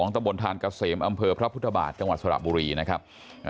ตะบนทานเกษมอำเภอพระพุทธบาทจังหวัดสระบุรีนะครับ